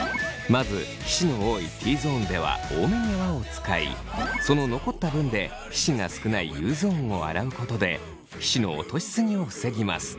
まず皮脂の多いＴゾーンでは多めに泡を使いその残った分で皮脂が少ないＵゾーンを洗うことで皮脂の落としすぎを防ぎます。